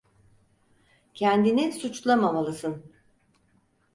Kendini suçlamamalısın.